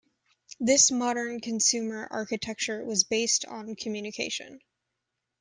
This modern consumer architecture was based on communication.